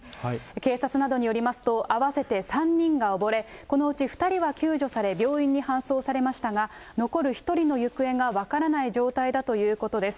警察などによりますと、合わせて３人が溺れ、このうち２人は救助され、病院に搬送されましたが、残る１人の行方が分からない状態だということです。